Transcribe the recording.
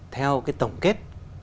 theo cái tổng kết